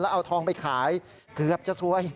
เอาทองไปขายเกือบจะซวย